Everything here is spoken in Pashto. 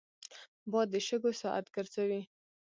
باد د شګو ساعت ګرځوي